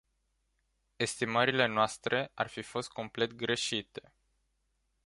Estimările noastre ar fi fost complet greșite.